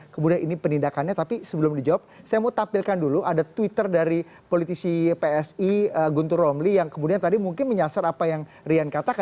kemudian ini penindakannya tapi sebelum dijawab saya mau tampilkan dulu ada twitter dari politisi psi guntur romli yang kemudian tadi mungkin menyasar apa yang rian katakan